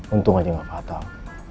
untung aja nggak patah